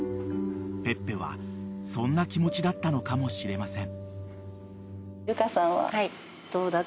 ［ペッペはそんな気持ちだったのかもしれません］